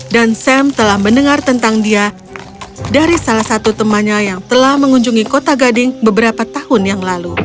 dan sam telah mendengar tentang dia dari salah satu temannya yang telah mengunjungi kota gading beberapa tahun yang lalu